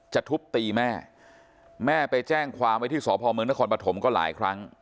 ทุบตีแม่แม่ไปแจ้งความไว้ที่สพเมืองนครปฐมก็หลายครั้ง